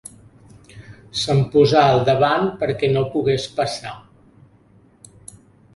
Se'm posà al davant perquè no pogués passar.